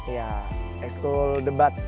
ya ekskul debat